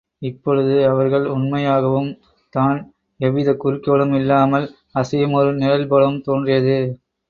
இப்பொழுது அவர்கள் உண்மையாகவும் தான் எவ்விதக் குறிக்கோளும் இல்லாமல் அசையும் ஒரு நிழல் போலவும் தோன்றியது.